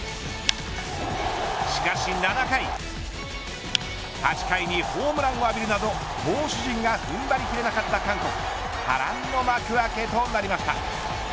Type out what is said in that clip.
しかし７回８回に、ホームランを浴びるなど投手陣が踏ん張り切れなかった韓国波乱の幕開けとなりました。